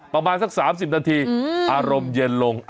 ประมาณสัก๓๐นาทีอารมณ์เย็นลง